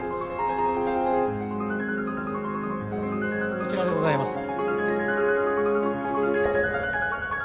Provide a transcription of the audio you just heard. こちらでございます。